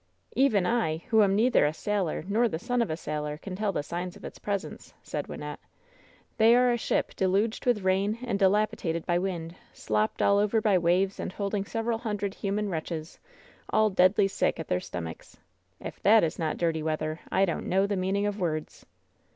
"Even I, who am neither a sailor nor the son of a sailor, can tell the signs of its presence," said Wynnette. "They are a ship deluged with rain and dilapidated by wind, slopped all over by waves, and holding several hundred human wretches, all deadly sick at their stom achs. If that is not dirty weather, I don't know the meaning of words."